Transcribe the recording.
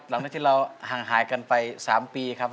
หลังจากที่เราห่างหายกันไป๓ปีครับ